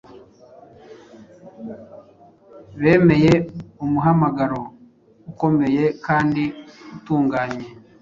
Bemeye umuhamagaro ukomeye kandi utunganye.